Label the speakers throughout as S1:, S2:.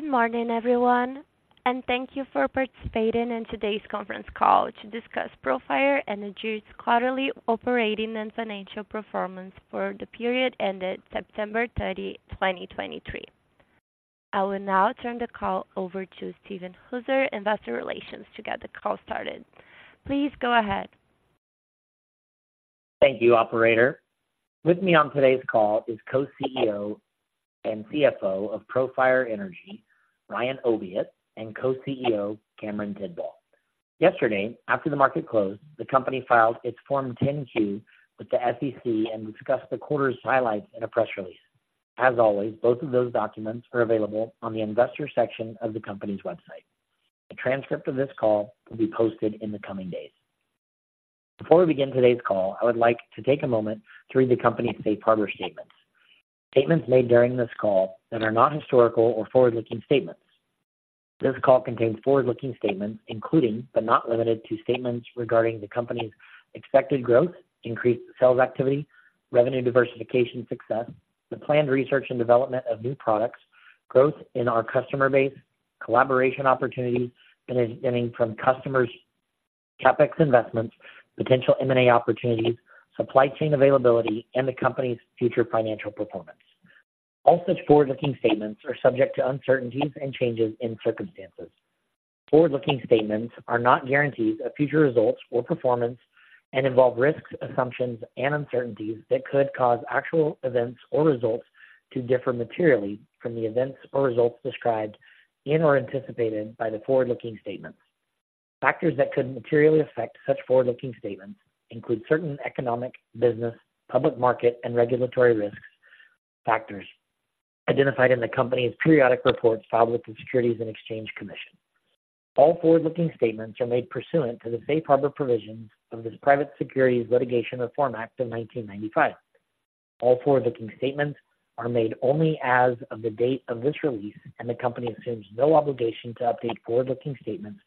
S1: Good morning, everyone, and thank you for participating in today's conference call to discuss Profire Energy's quarterly operating and financial performance for the period ended September 30, 2023. I will now turn the call over to Steven Hooser, Investor Relations, to get the call started. Please go ahead.
S2: Thank you, operator. With me on today's call is Co-CEO and CFO of Profire Energy, Ryan Oviatt, and Co-CEO, Cameron Tidball. Yesterday, after the market closed, the company filed its Form 10-Q with the SEC and discussed the quarter's highlights in a press release. As always, both of those documents are available on the investor section of the company's website. A transcript of this call will be posted in the coming days. Before we begin today's call, I would like to take a moment to read the company's safe harbor statements. Statements made during this call that are not historical or forward-looking statements. This call contains forward-looking statements, including, but not limited to, statements regarding the company's expected growth, increased sales activity, revenue diversification success, the planned research and development of new products, growth in our customer base, collaboration opportunities benefiting from customers, CapEx investments, potential M&A opportunities, supply chain availability, and the company's future financial performance. All such forward-looking statements are subject to uncertainties and changes in circumstances. Forward-looking statements are not guarantees of future results or performance and involve risks, assumptions, and uncertainties that could cause actual events or results to differ materially from the events or results described in or anticipated by the forward-looking statements. Factors that could materially affect such forward-looking statements include certain economic, business, public market, and regulatory risks, factors identified in the company's periodic reports filed with the Securities and Exchange Commission. All forward-looking statements are made pursuant to the safe harbor provisions of the Private Securities Litigation Reform Act of 1995. All forward-looking statements are made only as of the date of this release, and the company assumes no obligation to update forward-looking statements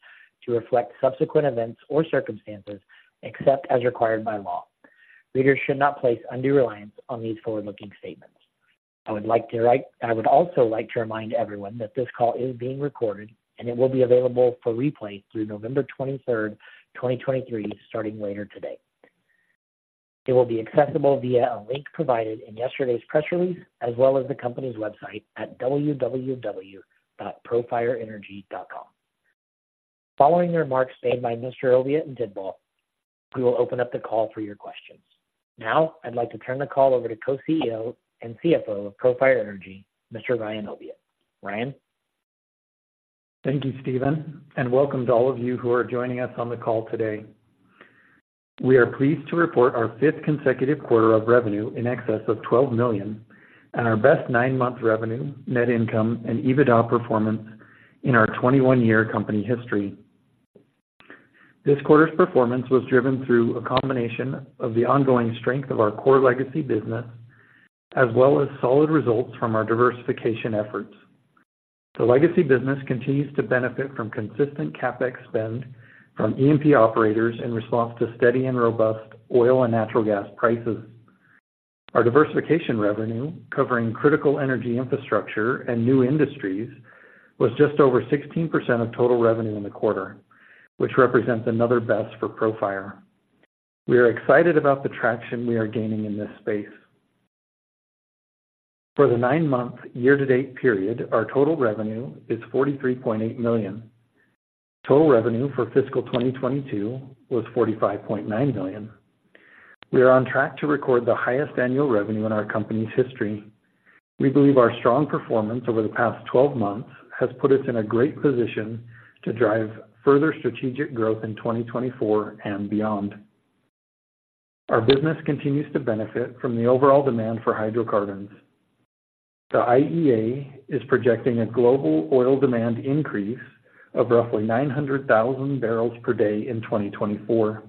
S2: to reflect subsequent events or circumstances, except as required by law. Readers should not place undue reliance on these forward-looking statements. I would also like to remind everyone that this call is being recorded, and it will be available for replay through November 23rd, 2023, starting later today. It will be accessible via a link provided in yesterday's press release, as well as the company's website at www.profireenergy.com. Following remarks made by Mr. Oviatt and Tidball, we will open up the call for your questions. Now, I'd like to turn the call over to Co-CEO and CFO of Profire Energy, Mr. Ryan Oviatt. Ryan?
S3: Thank you, Steven, and welcome to all of you who are joining us on the call today. We are pleased to report our fifth consecutive quarter of revenue in excess of $12 million and our best nine-month revenue, net income, and EBITDA performance in our 21-year company history. This quarter's performance was driven through a combination of the ongoing strength of our core legacy business, as well as solid results from our diversification efforts. The legacy business continues to benefit from consistent CapEx spend from E&P operators in response to steady and robust oil and natural gas prices. Our diversification revenue, covering critical energy infrastructure and new industries, was just over 16% of total revenue in the quarter, which represents another best for Profire. We are excited about the traction we are gaining in this space. For the nine-month year-to-date period, our total revenue is $43.8 million. Total revenue for fiscal 2022 was $45.9 million. We are on track to record the highest annual revenue in our company's history. We believe our strong performance over the past 12 months has put us in a great position to drive further strategic growth in 2024 and beyond. Our business continues to benefit from the overall demand for hydrocarbons. The IEA is projecting a global oil demand increase of roughly 900,000 barrels per day in 2024.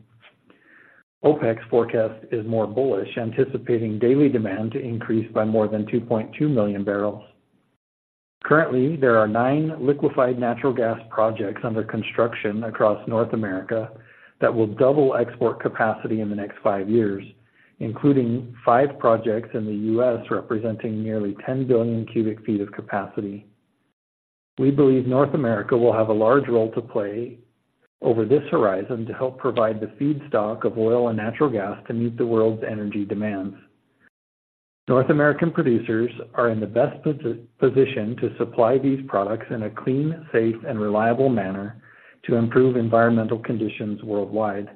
S3: OPEC's forecast is more bullish, anticipating daily demand to increase by more than 2.2 million barrels. Currently, there are nine liquefied natural gas projects under construction across North America that will double export capacity in the next five years, including five projects in the U.S., representing nearly 10 billion cubic feet of capacity. We believe North America will have a large role to play over this horizon to help provide the feedstock of oil and natural gas to meet the world's energy demands. North American producers are in the best position to supply these products in a clean, safe, and reliable manner to improve environmental conditions worldwide.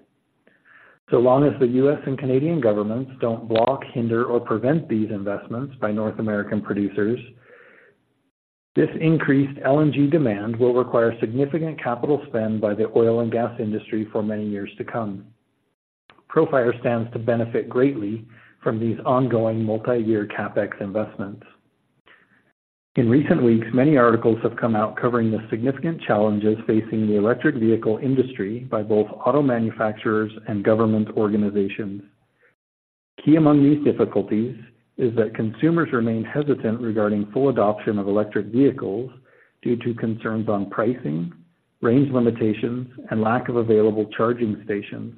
S3: So long as the U.S. and Canadian governments don't block, hinder, or prevent these investments by North American producers, this increased LNG demand will require significant capital spend by the oil and gas industry for many years to come. Profire stands to benefit greatly from these ongoing multi-year CapEx investments. In recent weeks, many articles have come out covering the significant challenges facing the electric vehicle industry by both auto manufacturers and government organizations. Key among these difficulties is that consumers remain hesitant regarding full adoption of electric vehicles due to concerns on pricing, range limitations, and lack of available charging stations.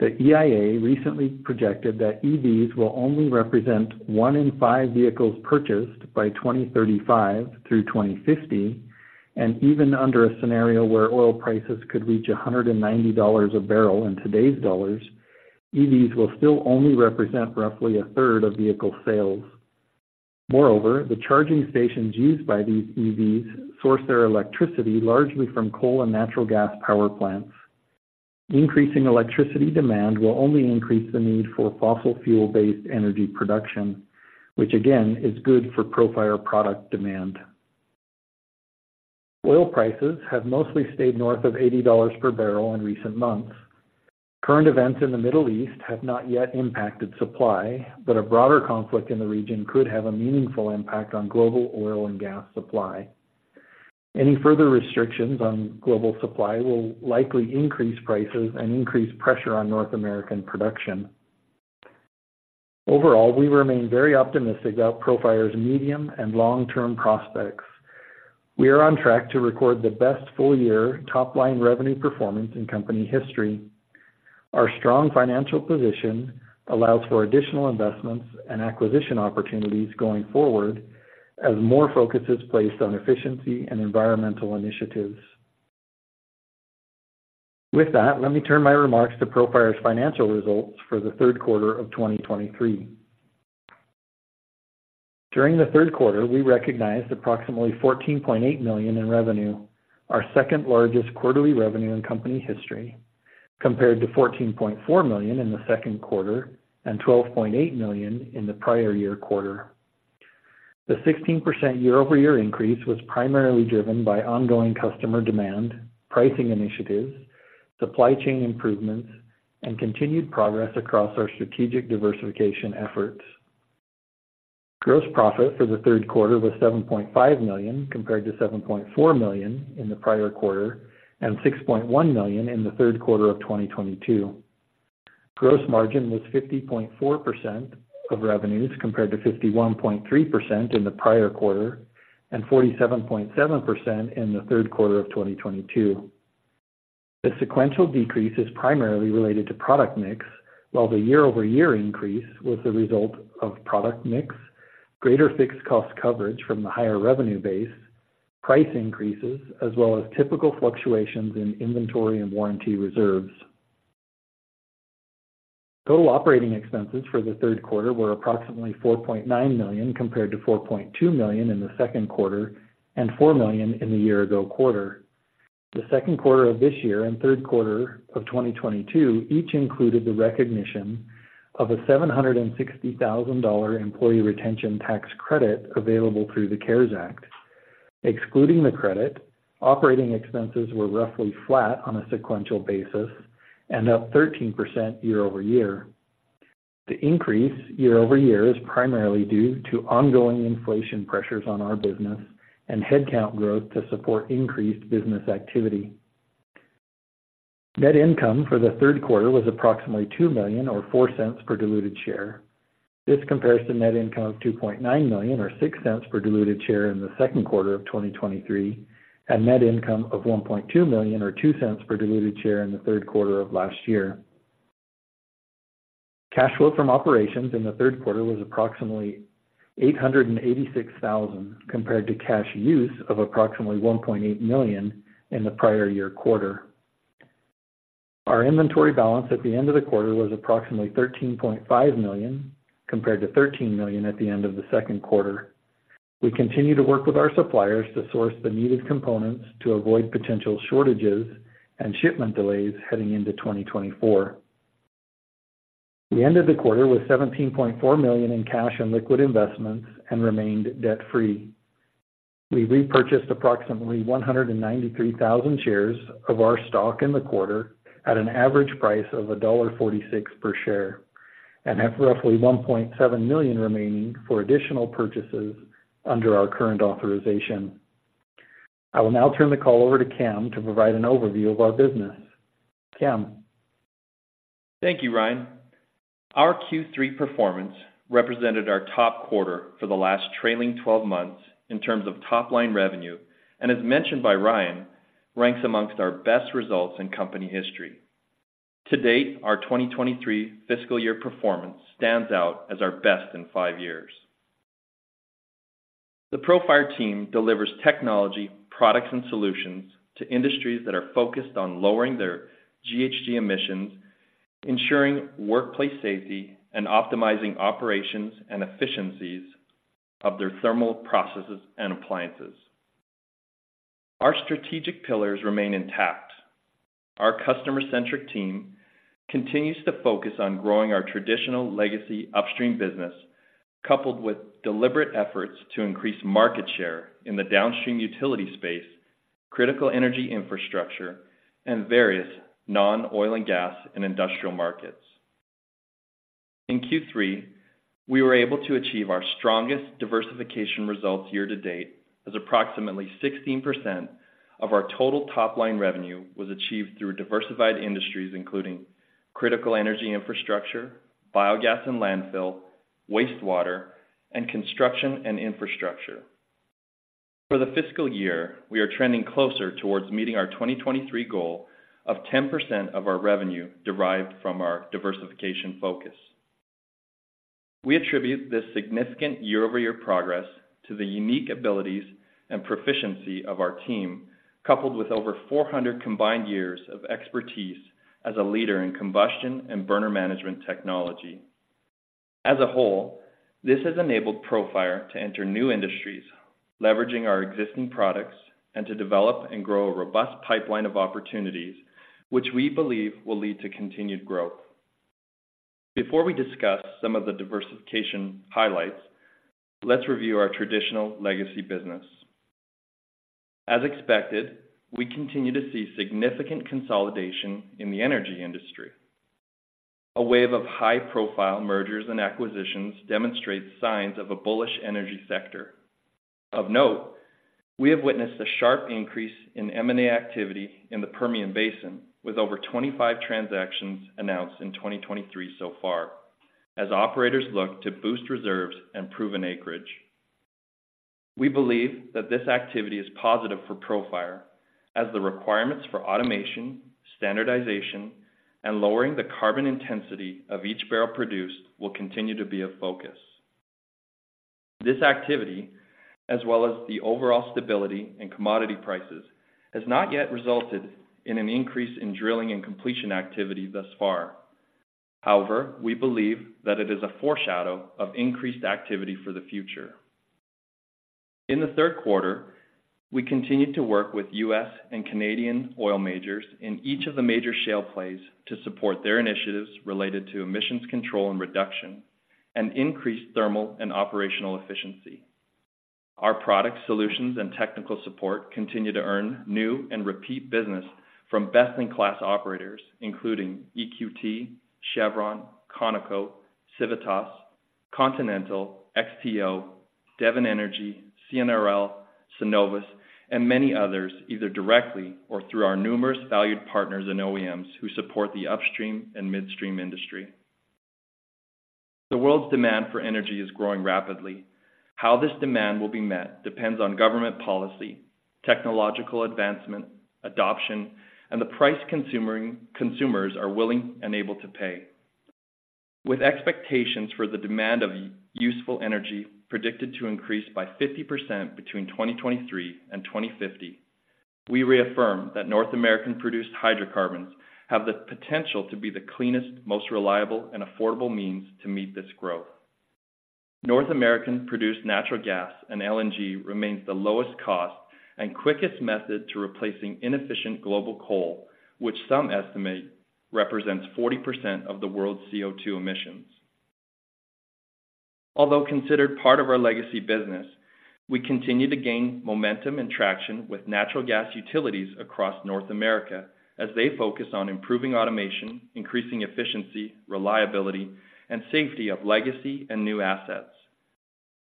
S3: The EIA recently projected that EVs will only represent one in five vehicles purchased by 2035 through 2050, and even under a scenario where oil prices could reach $190 a barrel in today's dollars, EVs will still only represent roughly a third of vehicle sales. Moreover, the charging stations used by these EVs source their electricity largely from coal and natural gas power plants. Increasing electricity demand will only increase the need for fossil fuel-based energy production, which again, is good for Profire product demand. Oil prices have mostly stayed north of $80 per barrel in recent months. Current events in the Middle East have not yet impacted supply, but a broader conflict in the region could have a meaningful impact on global oil and gas supply. Any further restrictions on global supply will likely increase prices and increase pressure on North American production. Overall, we remain very optimistic about Profire's medium and long-term prospects. We are on track to record the best full-year top-line revenue performance in company history. Our strong financial position allows for additional investments and acquisition opportunities going forward, as more focus is placed on efficiency and environmental initiatives. With that, let me turn my remarks to Profire's financial results for the Q3 of 2023. During the Q3, we recognized approximately $14.8 million in revenue, our second-largest quarterly revenue in company history, compared to $14.4 million in the Q2 and $12.8 million in the prior year quarter. The 16% year-over-year increase was primarily driven by ongoing customer demand, pricing initiatives, supply chain improvements, and continued progress across our strategic diversification efforts. Gross profit for the Q3 was $7.5 million, compared to $7.4 million in the prior quarter, and $6.1 million in the Q3 of 2022. Gross margin was 50.4% of revenues, compared to 51.3% in the prior quarter, and 47.7% in the Q3 of 2022. The sequential decrease is primarily related to product mix, while the year-over-year increase was the result of product mix, greater fixed cost coverage from the higher revenue base, price increases, as well as typical fluctuations in inventory and warranty reserves. Total operating expenses for the Q3 were approximately $4.9 million, compared to $4.2 million in the Q2 and $4 million in the year-ago quarter. The Q2 of this year and Q3 of 2022 each included the recognition of a $760,000 employee retention tax credit available through the CARES Act. Excluding the credit, operating expenses were roughly flat on a sequential basis and up 13% year-over-year. The increase year-over-year is primarily due to ongoing inflation pressures on our business and headcount growth to support increased business activity. Net income for the Q3 was approximately $2 million, or $0.04 per diluted share. This compares to net income of $2.9 million, or $0.06 per diluted share in the Q2 of 2023, and net income of $1.2 million, or $0.02 per diluted share in the Q3 of last year. Cash flow from operations in the Q3 was approximately $886,000, compared to cash use of approximately $1.8 million in the prior year quarter. Our inventory balance at the end of the quarter was approximately $13.5 million, compared to $13 million at the end of the Q2. We continue to work with our suppliers to source the needed components to avoid potential shortages and shipment delays heading into 2024. We ended the quarter with $17.4 million in cash and liquid investments and remained debt-free. We repurchased approximately 193,000 shares of our stock in the quarter at an average price of $1.46 per share, and have roughly $1.7 million remaining for additional purchases under our current authorization. I will now turn the call over to Cam to provide an overview of our business. Cam?
S4: Thank you, Ryan. Our Q3 performance represented our top quarter for the last trailing twelve months in terms of top-line revenue, and as mentioned by Ryan, ranks amongst our best results in company history. To date, our 2023 fiscal year performance stands out as our best in five years. The Profire team delivers technology, products, and solutions to industries that are focused on lowering their GHG emissions, ensuring workplace safety, and optimizing operations and efficiencies of their thermal processes and appliances. Our strategic pillars remain intact. Our customer-centric team continues to focus on growing our traditional legacy upstream business, coupled with deliberate efforts to increase market share in the downstream utility space, critical energy infrastructure, and various non-oil and gas and industrial markets. In Q3, we were able to achieve our strongest diversification results year-to-date, as approximately 16% of our total top-line revenue was achieved through diversified industries, including critical energy infrastructure, biogas and landfill, wastewater, and construction and infrastructure. For the fiscal year, we are trending closer towards meeting our 2023 goal of 10% of our revenue derived from our diversification focus. We attribute this significant year-over-year progress to the unique abilities and proficiency of our team, coupled with over 400 combined years of expertise as a leader in combustion and burner management technology. As a whole, this has enabled Profire to enter new industries, leveraging our existing products and to develop and grow a robust pipeline of opportunities, which we believe will lead to continued growth. Before we discuss some of the diversification highlights, let's review our traditional legacy business. As expected, we continue to see significant consolidation in the energy industry. A wave of high-profile mergers and acquisitions demonstrates signs of a bullish energy sector. Of note, we have witnessed a sharp increase in M&A activity in the Permian Basin, with over 25 transactions announced in 2023 so far, as operators look to boost reserves and proven acreage. We believe that this activity is positive for Profire, as the requirements for automation, standardization, and lowering the carbon intensity of each barrel produced will continue to be a focus. This activity, as well as the overall stability in commodity prices, has not yet resulted in an increase in drilling and completion activity thus far. However, we believe that it is a foreshadow of increased activity for the future. In the Q3, we continued to work with U.S. and Canadian oil majors in each of the major shale plays to support their initiatives related to emissions control and reduction, and increased thermal and operational efficiency. Our product solutions and technical support continue to earn new and repeat business from best-in-class operators, including EQT, Chevron, Conoco, Civitas, Continental, XTO, Devon Energy, CNRL, Cenovus, and many others, either directly or through our numerous valued partners and OEMs who support the upstream and midstream industry. The world's demand for energy is growing rapidly. How this demand will be met depends on government policy, technological advancement, adoption, and the price consumers are willing and able to pay? With expectations for the demand of useful energy predicted to increase by 50% between 2023 and 2050, we reaffirm that North American-produced hydrocarbons have the potential to be the cleanest, most reliable and affordable means to meet this growth. North American-produced natural gas and LNG remains the lowest cost and quickest method to replacing inefficient global coal, which some estimate represents 40% of the world's CO2 emissions. Although considered part of our legacy business, we continue to gain momentum and traction with natural gas utilities across North America as they focus on improving automation, increasing efficiency, reliability, and safety of legacy and new assets.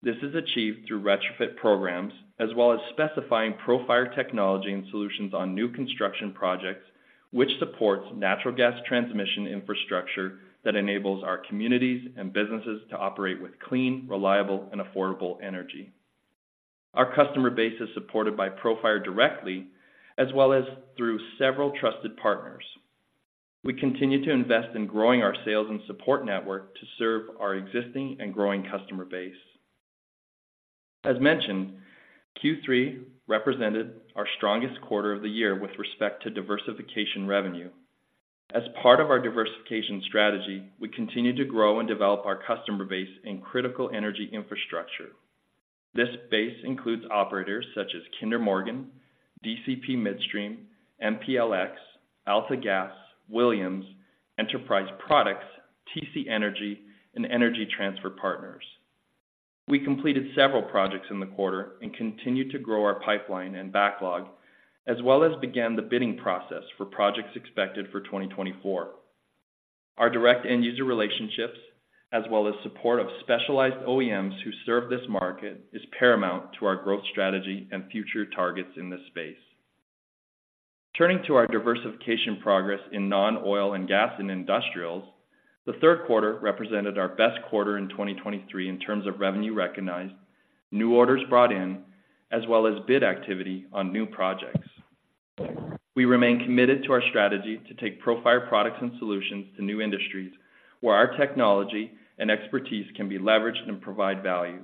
S4: This is achieved through retrofit programs, as well as specifying Profire technology and solutions on new construction projects, which supports natural gas transmission infrastructure that enables our communities and businesses to operate with clean, reliable, and affordable energy. Our customer base is supported by Profire directly, as well as through several trusted partners. We continue to invest in growing our sales and support network to serve our existing and growing customer base. As mentioned, Q3 represented our strongest quarter of the year with respect to diversification revenue. As part of our diversification strategy, we continue to grow and develop our customer base in critical energy infrastructure. This base includes operators such as Kinder Morgan, DCP Midstream, MPLX, AltaGas, Williams, Enterprise Products, TC Energy, and Energy Transfer Partners. We completed several projects in the quarter and continued to grow our pipeline and backlog, as well as began the bidding process for projects expected for 2024. Our direct end user relationships, as well as support of specialized OEMs who serve this market, is paramount to our growth strategy and future targets in this space. Turning to our diversification progress in non-oil and gas and industrials, the Q3 represented our best quarter in 2023 in terms of revenue recognized, new orders brought in, as well as bid activity on new projects. We remain committed to our strategy to take Profire products and solutions to new industries, where our technology and expertise can be leveraged and provide value.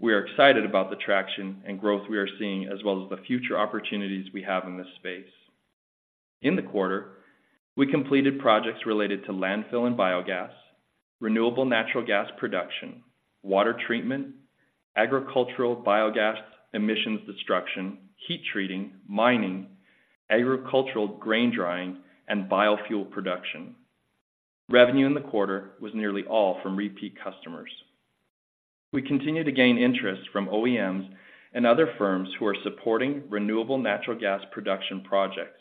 S4: We are excited about the traction and growth we are seeing, as well as the future opportunities we have in this space. In the quarter, we completed projects related to landfill and biogas, renewable natural gas production, water treatment, agricultural biogas emissions destruction, heat treating, mining, agricultural grain drying, and biofuel production. Revenue in the quarter was nearly all from repeat customers. We continue to gain interest from OEMs and other firms who are supporting renewable natural gas production projects.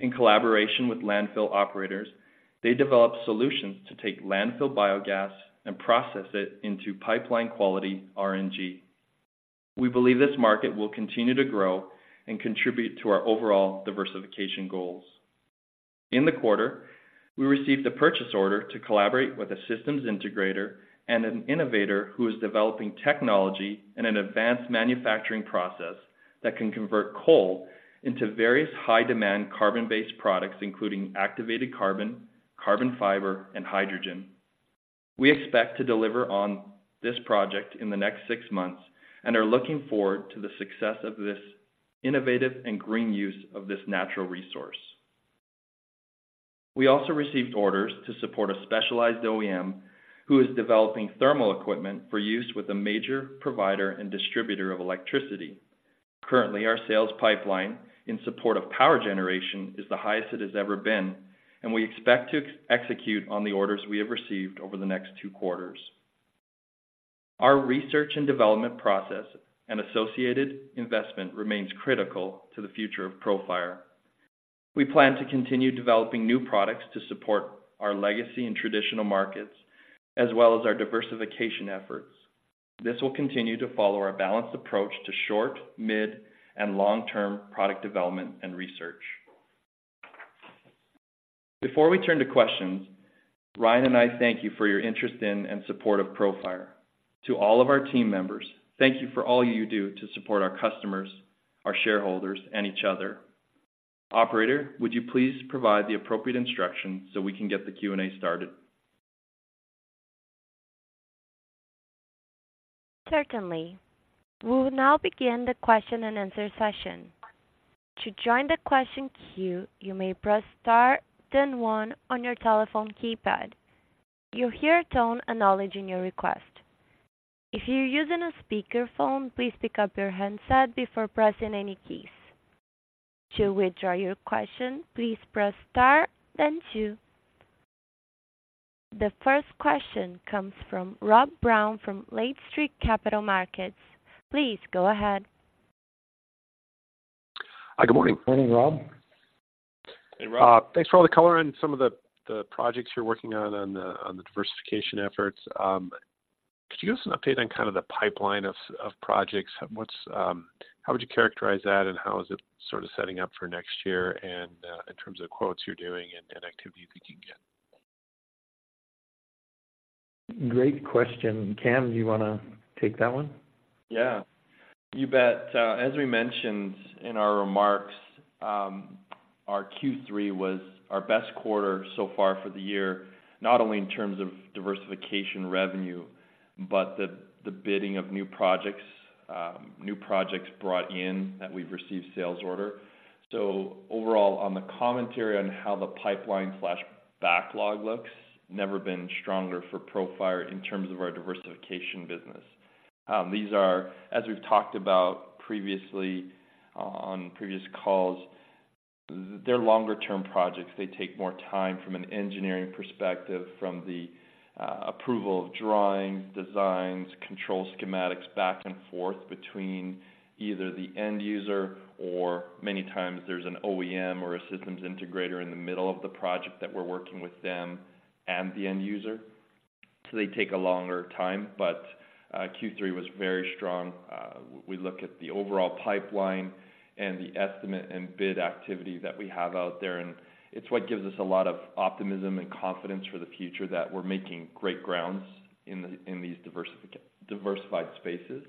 S4: In collaboration with landfill operators, they developed solutions to take landfill biogas and process it into pipeline-quality RNG. We believe this market will continue to grow and contribute to our overall diversification goals. In the quarter, we received a purchase order to collaborate with a systems integrator and an innovator who is developing technology and an advanced manufacturing process that can convert coal into various high-demand carbon-based products, including activated carbon, carbon fiber, and hydrogen. We expect to deliver on this project in the next six months and are looking forward to the success of this innovative and green use of this natural resource. We also received orders to support a specialized OEM who is developing thermal equipment for use with a major provider and distributor of electricity. Currently, our sales pipeline in support of power generation is the highest it has ever been, and we expect to execute on the orders we have received over the next two quarters. Our research and development process and associated investment remains critical to the future of Profire. We plan to continue developing new products to support our legacy and traditional markets, as well as our diversification efforts. This will continue to follow our balanced approach to short, mid, and long-term product development and research. Before we turn to questions, Ryan and I thank you for your interest in and support of Profire. To all of our team members, thank you for all you do to support our customers, our shareholders, and each other. Operator, would you please provide the appropriate instructions so we can get the Q&A started?
S1: Certainly. We'll now begin the question-and-answer session. To join the question queue, you may press star, then one on your telephone keypad. You'll hear a tone acknowledging your request. If you're using a speakerphone, please pick up your handset before pressing any keys. To withdraw your question, please press star then two. The first question comes from Rob Brown from Lake Street Capital Markets. Please go ahead.
S5: Hi, good morning.
S4: Morning, Rob.
S2: Hey, Rob.
S5: Thanks for all the color on some of the, the projects you're working on, on the, on the diversification efforts. Could you give us an update on kind of the pipeline of, of projects? What's... How would you characterize that, and how is it sort of setting up for next year, and, in terms of quotes you're doing and, and activity you thinking you can get?
S3: Great question. Cam, do you wanna take that one?
S4: Yeah, you bet. As we mentioned in our remarks, our Q3 was our best quarter so far for the year, not only in terms of diversification revenue, but the bidding of new projects, new projects brought in that we've received sales order. So overall, on the commentary on how the pipeline/backlog looks, never been stronger for Profire in terms of our diversification business. These are, as we've talked about previously on previous calls, they're longer-term projects. They take more time from an engineering perspective, from the approval of drawings, designs, control schematics back and forth between either the end user or many times there's an OEM or a systems integrator in the middle of the project that we're working with them and the end user, so they take a longer time. But, Q3 was very strong. We look at the overall pipeline and the estimate and bid activity that we have out there, and it's what gives us a lot of optimism and confidence for the future that we're making great grounds in these diversified spaces.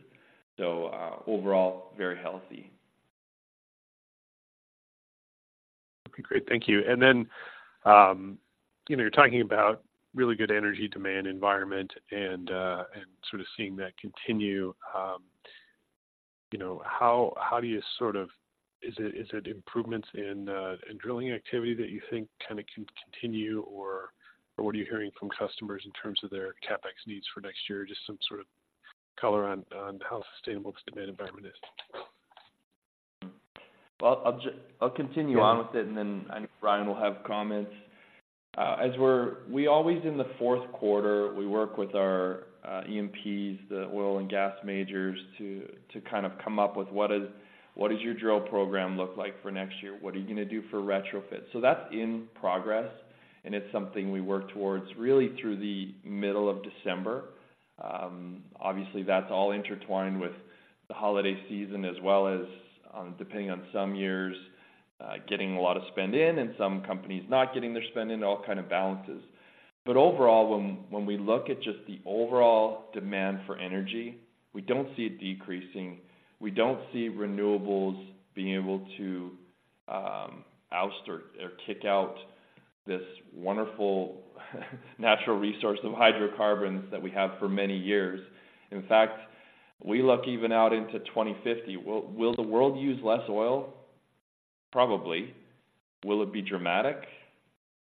S4: So, overall, very healthy.
S5: Okay, great. Thank you. And then, you know, you're talking about really good energy demand environment and, and sort of seeing that continue. You know, how, how do you sort of- Is it, is it improvements in, in drilling activity that you think kinda can continue, or, what are you hearing from customers in terms of their CapEx needs for next year? Just some sort of color on, on how sustainable the demand environment is.
S4: Well, I'll continue on with it, and then I know Ryan will have comments. We always, in the Q4, we work with our OEMs, the oil and gas majors, to kind of come up with what does your drill program look like for next year? What are you gonna do for retrofits? So that's in progress, and it's something we work towards really through the middle of December. Obviously, that's all intertwined with the holiday season, as well as, depending on some years, getting a lot of spend in and some companies not getting their spend in, all kind of balances. But overall, when we look at just the overall demand for energy, we don't see it decreasing. We don't see renewables being able to oust or kick out this wonderful natural resource of hydrocarbons that we have for many years. In fact, we look even out into 2050. Will the world use less oil? Probably. Will it be dramatic?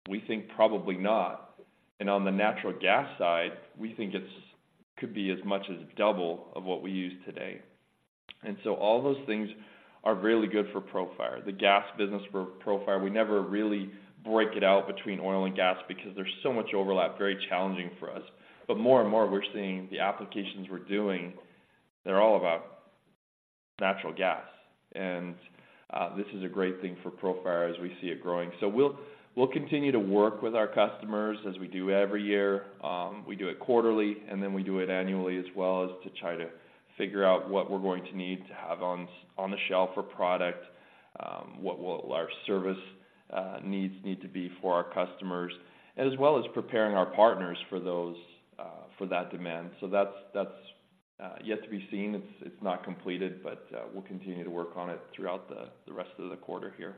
S4: We think probably not. And on the natural gas side, we think it's could be as much as double of what we use today. And so all those things are really good for Profire. The gas business for Profire, we never really break it out between oil and gas because there's so much overlap, very challenging for us. But more and more, we're seeing the applications we're doing, they're all about natural gas, and this is a great thing for Profire as we see it growing. So we'll continue to work with our customers, as we do every year. We do it quarterly, and then we do it annually as well as to try to figure out what we're going to need to have on, on the shelf for product. What will our service needs need to be for our customers, as well as preparing our partners for those, for that demand. So that's, that's yet to be seen. It's, it's not completed, but we'll continue to work on it throughout the rest of the quarter here.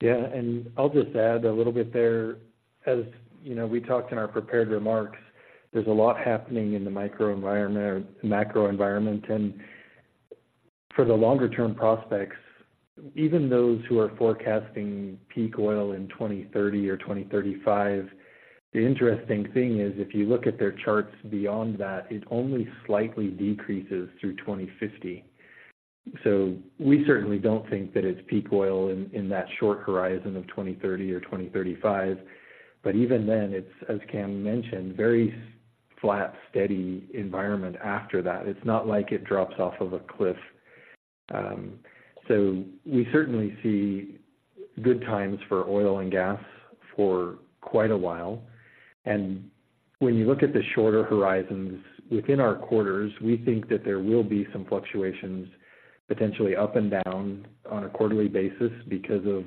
S3: Yeah, and I'll just add a little bit there. As you know, we talked in our prepared remarks, there's a lot happening in the micro environment or macro environment. And for the longer term prospects, even those who are forecasting peak oil in 2030 or 2035, the interesting thing is, if you look at their charts beyond that, it only slightly decreases through 2050. So we certainly don't think that it's peak oil in that short horizon of 2030 or 2035. But even then, it's, as Cam mentioned, very flat, steady environment after that. It's not like it drops off of a cliff. So we certainly see good times for oil and gas for quite a while. When you look at the shorter horizons within our quarters, we think that there will be some fluctuations, potentially up and down on a quarterly basis because of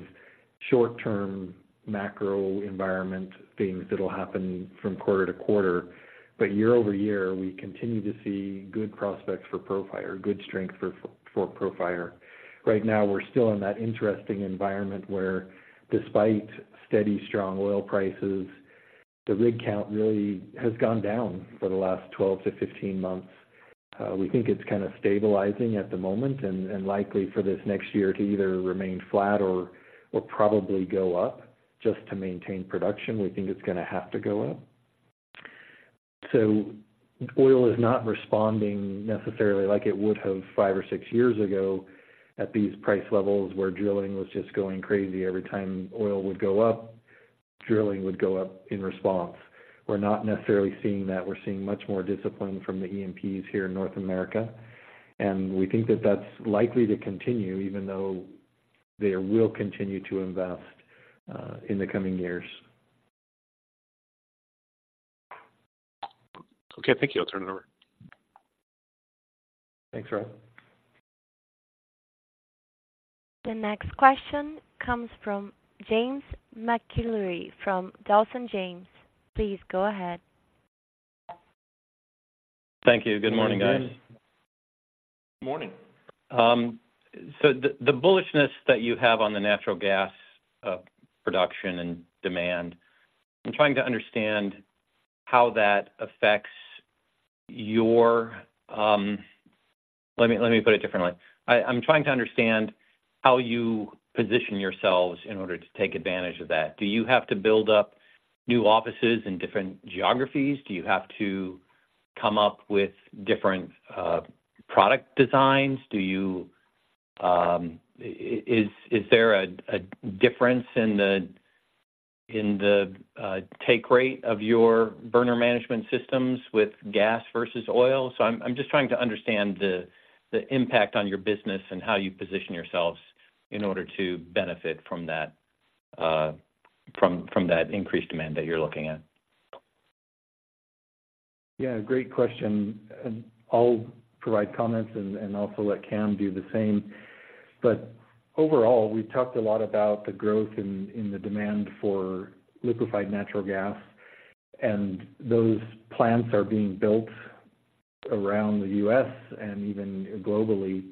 S3: short-term macro environment things that'll happen from quarter-to-quarter. But year-over-year, we continue to see good prospects for Profire, good strength for Profire. Right now, we're still in that interesting environment where despite steady, strong oil prices, the rig count really has gone down for the last 12-15 months. We think it's kind of stabilizing at the moment and likely for this next year to either remain flat or probably go up just to maintain production. We think it's gonna have to go up. So oil is not responding necessarily like it would have five or six years ago at these price levels, where drilling was just going crazy. Every time oil would go up, drilling would go up in response. We're not necessarily seeing that. We're seeing much more discipline from the E&Ps here in North America, and we think that that's likely to continue, even though they will continue to invest in the coming years.
S5: Okay, thank you. I'll turn it over.
S3: Thanks, Rob.
S1: The next question comes from James McIlree from Dawson James. Please go ahead.
S6: Thank you. Good morning, guys.
S3: Good morning.
S4: Good morning.
S6: So the bullishness that you have on the natural gas production and demand, I'm trying to understand how that affects your... Let me put it differently. I'm trying to understand how you position yourselves in order to take advantage of that. Do you have to build up new offices in different geographies? Do you have to come up with different product designs? Do you... Is there a difference in the take rate of your burner management systems with gas versus oil? So I'm just trying to understand the impact on your business and how you position yourselves in order to benefit from that, from that increased demand that you're looking at.
S3: Yeah, great question, and I'll provide comments and, and also let Cam do the same. But overall, we've talked a lot about the growth in the demand for liquefied natural gas, and those plants are being built around the U.S. and even globally,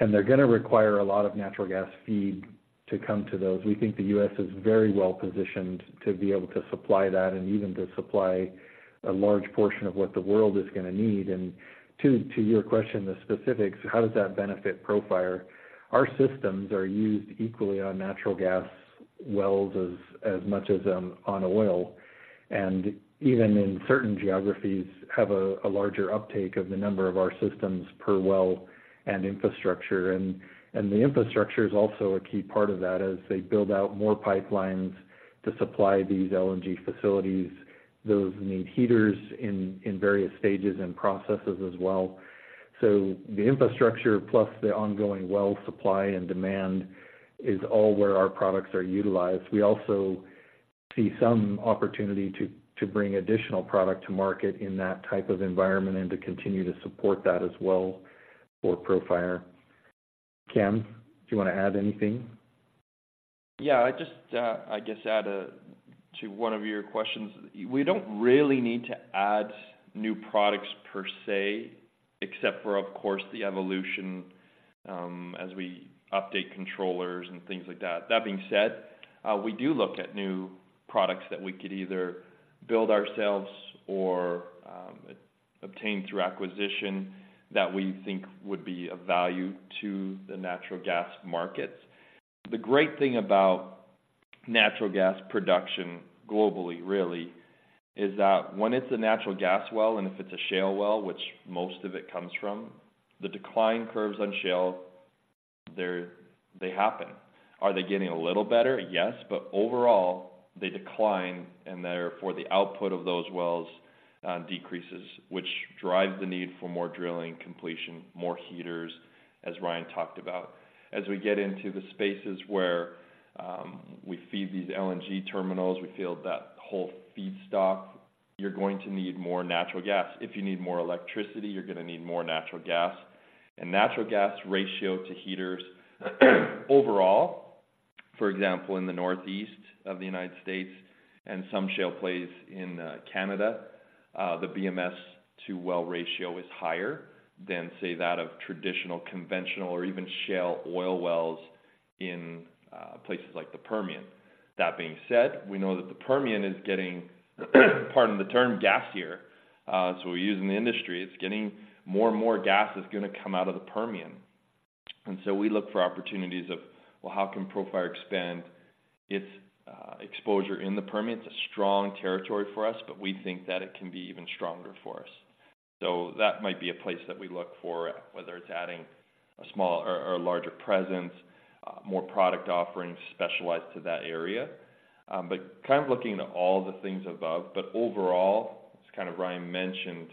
S3: and they're gonna require a lot of natural gas feed to come to those. We think the U.S. is very well positioned to be able to supply that and even to supply a large portion of what the world is gonna need. And to your question, the specifics, how does that benefit Profire? Our systems are used equally on natural gas wells as much as on oil, and even in certain geographies, have a larger uptake of the number of our systems per well and infrastructure. And the infrastructure is also a key part of that. As they build out more pipelines to supply these LNG facilities, those need heaters in various stages and processes as well. So the infrastructure plus the ongoing well supply and demand is all where our products are utilized. We also see some opportunity to bring additional product to market in that type of environment and to continue to support that as well for Profire. Cam, do you want to add anything?
S4: Yeah. I just, I guess, add to one of your questions. We don't really need to add new products per se, except for, of course, the evolution, as we update controllers and things like that. That being said, we do look at new products that we could either build ourselves or obtain through acquisition, that we think would be of value to the natural gas markets. The great thing about natural gas production globally, really, is that when it's a natural gas well, and if it's a shale well, which most of it comes from, the decline curves on shale, they happen. Are they getting a little better? Yes, but overall, they decline, and therefore, the output of those wells decreases, which drives the need for more drilling completion, more heaters, as Ryan talked about. As we get into the spaces where we feed these LNG terminals, we feel that whole, you're going to need more natural gas. If you need more electricity, you're gonna need more natural gas. And natural gas ratio to heaters, overall, for example, in the Northeast of the United States and some shale plays in Canada, the BMS to well ratio is higher than, say, that of traditional, conventional, or even shale oil wells in places like the Permian. That being said, we know that the Permian is getting, pardon the term, gassier. So we use in the industry, it's getting more and more gas is gonna come out of the Permian. And so we look for opportunities of, well, how can Profire expand its exposure in the Permian? It's a strong territory for us, but we think that it can be even stronger for us. So that might be a place that we look for, whether it's adding a small or a larger presence, more product offerings specialized to that area. But kind of looking at all the things above. But overall, as kind of Ryan mentioned,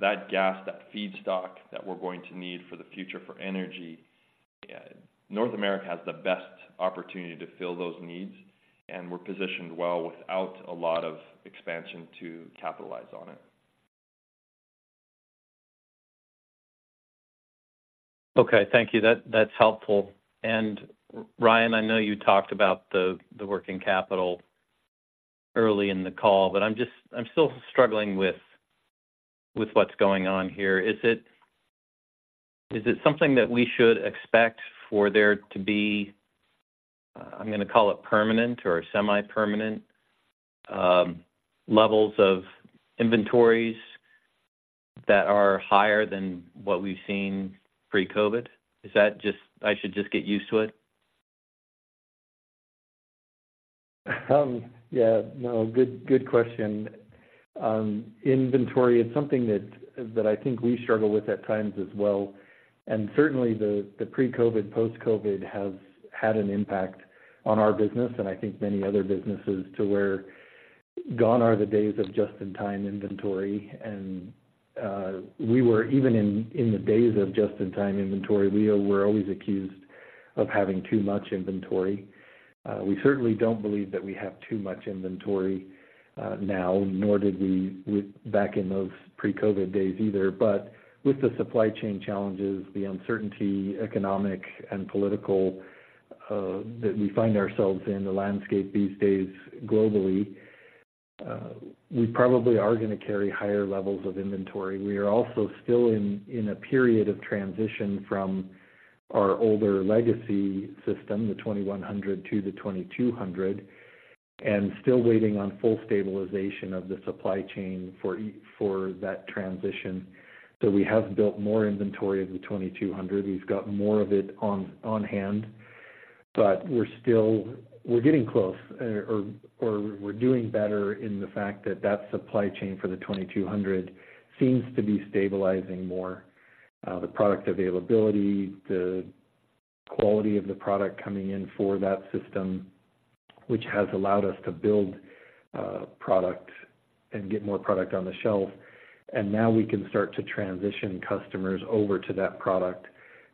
S4: that gas, that feedstock that we're going to need for the future for energy, North America has the best opportunity to fill those needs, and we're positioned well without a lot of expansion to capitalize on it.
S6: Okay, thank you. That's helpful. And Ryan, I know you talked about the working capital early in the call, but I'm just—I'm still struggling with what's going on here. Is it something that we should expect for there to be, I'm gonna call it permanent or semi-permanent, levels of inventories that are higher than what we've seen pre-COVID? Is that just... I should just get used to it?
S3: Yeah, no, good, good question. Inventory is something that I think we struggle with at times as well. Certainly, the pre-COVID, post-COVID has had an impact on our business and I think many other businesses, to where gone are the days of just-in-time inventory. We were even in the days of just-in-time inventory, we were always accused of having too much inventory. We certainly don't believe that we have too much inventory now, nor did we with back in those pre-COVID days either. With the supply chain challenges, the uncertainty, economic and political, that we find ourselves in the landscape these days globally, we probably are gonna carry higher levels of inventory. We are also still in a period of transition from our older legacy system, the 2100 to the 2200, and still waiting on full stabilization of the supply chain for that transition. So we have built more inventory of the 2200. We've got more of it on hand, but we're still getting close or we're doing better in the fact that that supply chain for the 2200 seems to be stabilizing more. The product availability, the quality of the product coming in for that system, which has allowed us to build product and get more product on the shelf, and now we can start to transition customers over to that product.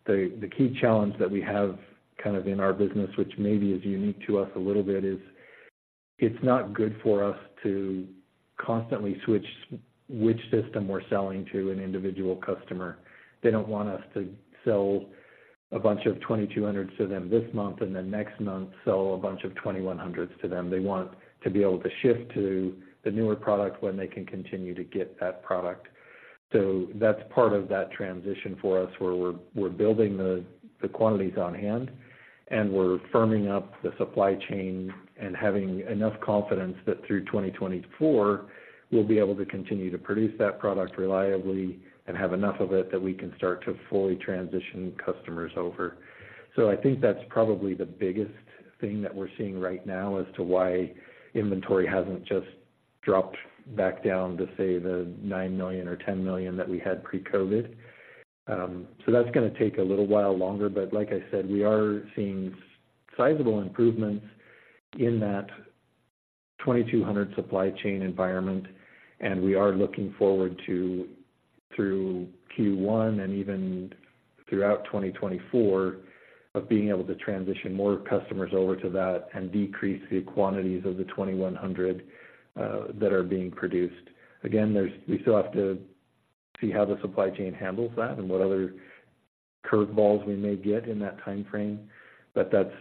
S3: The key challenge that we have kind of in our business, which maybe is unique to us a little bit, is it's not good for us to constantly switch which system we're selling to an individual customer. They don't want us to sell a bunch of 2200s to them this month, and then next month, sell a bunch of 2100s to them. They want to be able to shift to the newer product when they can continue to get that product. So that's part of that transition for us, where we're building the quantities on hand, and we're firming up the supply chain and having enough confidence that through 2024, we'll be able to continue to produce that product reliably and have enough of it that we can start to fully transition customers over. So I think that's probably the biggest thing that we're seeing right now as to why inventory hasn't just dropped back down to, say, the 9 million or 10 million that we had pre-COVID. So that's gonna take a little while longer, but like I said, we are seeing sizable improvements in that 2200 supply chain environment, and we are looking forward to, through Q1 and even throughout 2024, of being able to transition more customers over to that and decrease the quantities of the 2100 that are being produced. Again, there's we still have to see how the supply chain handles that and what other curveballs we may get in that time frame, but that's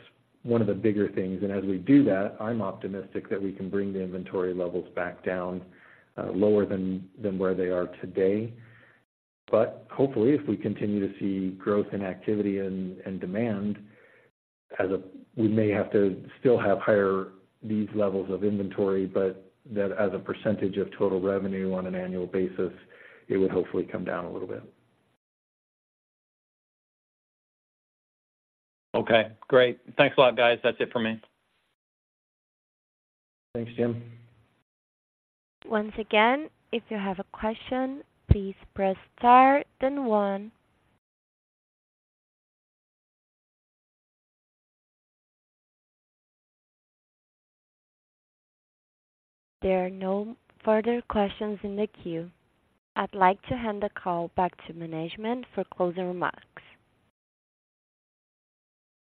S3: one of the bigger things. As we do that, I'm optimistic that we can bring the inventory levels back down, lower than where they are today. But hopefully, if we continue to see growth in activity and demand as a... We may have to still have higher these levels of inventory, but that as a percentage of total revenue on an annual basis, it would hopefully come down a little bit.
S6: Okay, great. Thanks a lot, guys. That's it for me.
S3: Thanks, Jim.
S1: Once again, if you have a question, please press star then one. There are no further questions in the queue. I'd like to hand the call back to management for closing remarks.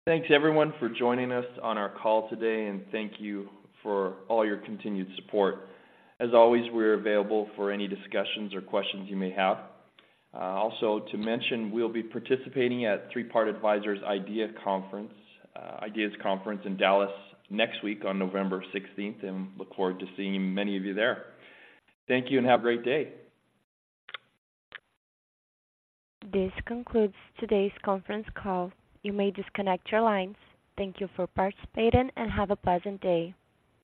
S4: Thanks, everyone, for joining us on our call today, and thank you for all your continued support. As always, we're available for any discussions or questions you may have. Also, to mention, we'll be participating at Three Part Advisors IDEAS Conference in Dallas next week on November 16th, and look forward to seeing many of you there. Thank you and have a great day.
S1: This concludes today's conference call. You may disconnect your lines. Thank you for participating and have a pleasant day.